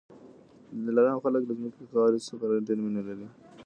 د دلارام خلک له خپلي خاورې سره ډېره مینه لري